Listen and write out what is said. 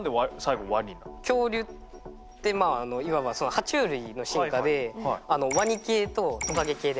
恐竜っていわばは虫類の進化でワニ系とトカゲ系で分かれるんですよ。